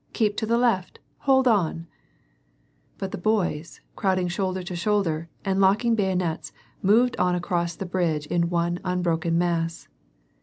keep to the left, hold on !" But the boys, crowding shoulder to shoulder, and locking bayonets, moved on across the bridge in one unbroken mass.